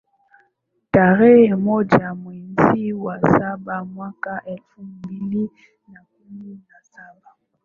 tarehe moja mwezi wa saba mwaka elfu mbili na kumi na saba